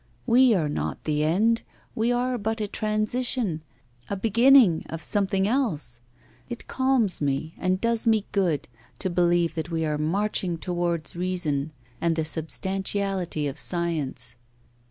We are not the end, we are but a transition, a beginning of something else. It calms me and does me good to believe that we are marching towards reason, and the substantiality of science.